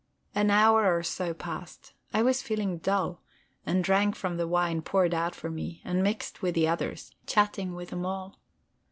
An hour or so passed by. I was feeling dull, and drank from the wine poured out for me, and mixed with the others, chatting with them all.